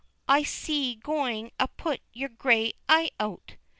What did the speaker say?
I'se goin' a put your great eye out!"